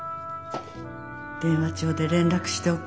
電話帳で連絡しておくれ」。